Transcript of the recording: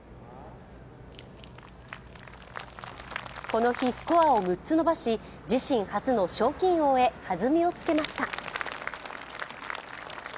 この日、スコアを６つ伸ばし、自身初の賞金王へ弾みをつけました。